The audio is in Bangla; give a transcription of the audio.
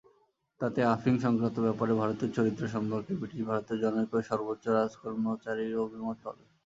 তাতে আফিং-সংক্রান্ত ব্যাপারে ভারতীয় চরিত্র সম্পর্কে বৃটিশ ভারতের জনৈক সর্বোচ্চ রাজকর্মচারীর অভিমত পাবে।